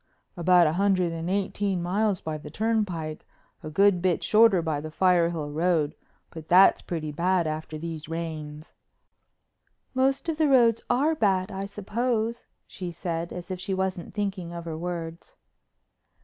"About a hundred and eighteen miles by the turnpike—a good bit shorter by the Firehill Road, but that's pretty bad after these rains. "Most of the roads are bad, I suppose," she said, as if she wasn't thinking of her words.